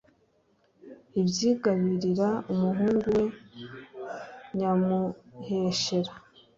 abyigabirira umuhungu we nyamuheshera